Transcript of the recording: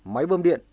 máy bơm điện